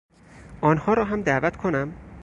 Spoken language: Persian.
آنها را هم دعوت کنم؟